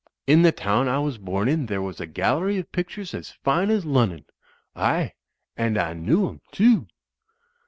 "In the town a' was bom in there was a gallery of pictures as fine as Lunnon. Aye, and a* knew 'em, too."